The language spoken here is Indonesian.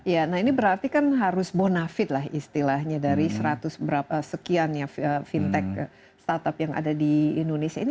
ya nah ini berarti kan harus bonafit lah istilahnya dari seratus berapa sekian ya fintech startup yang ada di indonesia ini